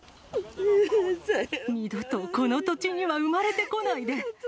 二度とこの土地には生まれてこないで。